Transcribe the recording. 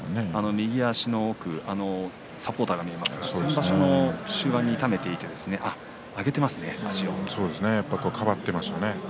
右足の奥にサポーターが見えますが先場所の終盤に痛めていて曲げていますね。